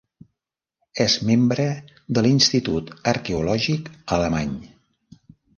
És membre de l'Institut Arqueològic Alemany.